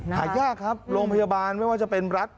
หายากครับโรงพยาบาลไม่ว่าจะเป็นรัฐ